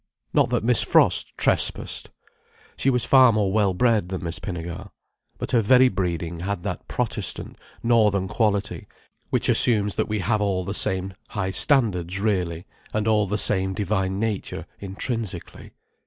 Not that Miss Frost trespassed. She was far more well bred than Miss Pinnegar. But her very breeding had that Protestant, northern quality which assumes that we have all the same high standards, really, and all the same divine nature, intrinsically.